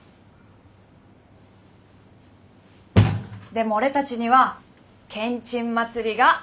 でも俺たちにはけんちん祭りがある！